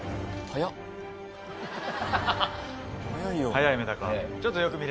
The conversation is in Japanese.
はい。